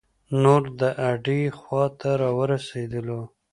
نور د اډې خواته را ورسیدلو.